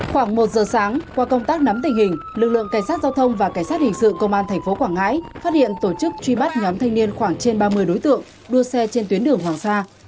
khoảng một giờ sáng qua công tác nắm tình hình lực lượng cảnh sát giao thông và cảnh sát hình sự công an tp quảng ngãi phát hiện tổ chức truy bắt nhóm thanh niên khoảng trên ba mươi đối tượng đua xe trên tuyến đường hoàng sa